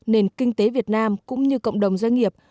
nền kinh tế việt nam cũng như cộng đồng doanh nghiệp